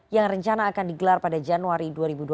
yang rencana akan digelar pada januari dua ribu dua puluh